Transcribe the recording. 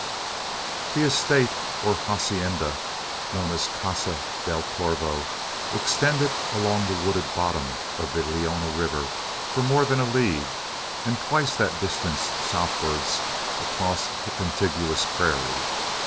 The estate, or "hacienda," known as Casa del Corvo, extended along the wooded bottom of the Leona River for more than a league, and twice that distance southwards across the contiguous prairie.